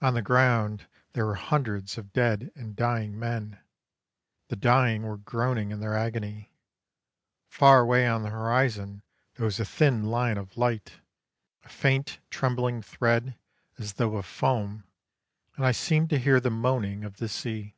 On the ground there were hundreds of dead and dying men; the dying were groaning in their agony. Far away on the horizon there was a thin line of light, a faint trembling thread as though of foam, and I seemed to hear the moaning of the sea.